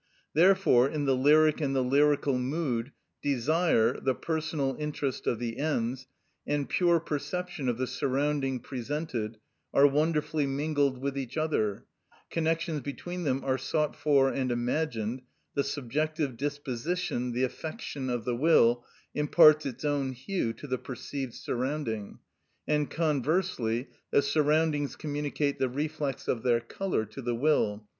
Therefore, in the lyric and the lyrical mood, desire (the personal interest of the ends), and pure perception of the surrounding presented, are wonderfully mingled with each other; connections between them are sought for and imagined; the subjective disposition, the affection of the will, imparts its own hue to the perceived surrounding, and conversely, the surroundings communicate the reflex of their colour to the will.